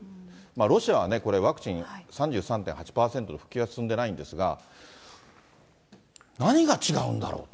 ロシアはね、ワクチン３３．８％、普及が進んでないんですが、何が違うんだろうと。